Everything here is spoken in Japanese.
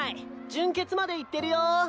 準決までいってるよ。